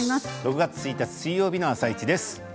６月１日水曜日の「あさイチ」です。